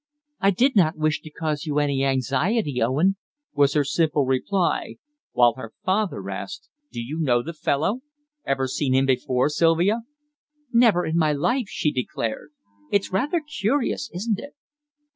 "I did not wish to cause you any anxiety, Owen," was her simple reply, while her father asked "Do you know the fellow? Ever seen him before, Sylvia?" "Never in my life," she declared. "It's rather curious, isn't it?"